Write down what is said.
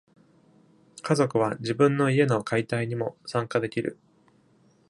家族は、自分の家の解体にも参加できる。